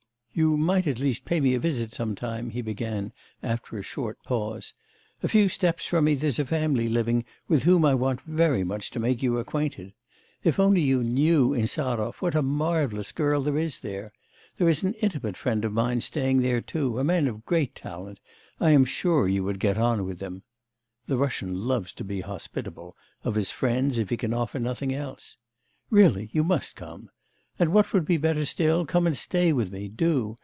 'You might at least pay me a visit sometime,' he began, after a short pause. 'A few steps from me there's a family living with whom I want very much to make you acquainted. If only you knew, Insarov, what a marvellous girl there is there! There is an intimate friend of mine staying there too, a man of great talent; I am sure you would get on with him. [The Russian loves to be hospitable of his friends if he can offer nothing else.] Really, you must come. And what would be better still, come and stay with me, do.